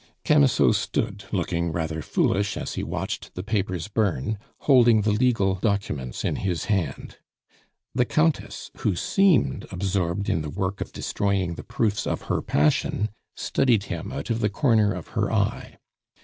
Camusot stood, looking rather foolish as he watched the papers burn, holding the legal documents in his hand. The Countess, who seemed absorbed in the work of destroying the proofs of her passion, studied him out of the corner of her eye.